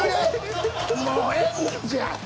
もうええんじゃ！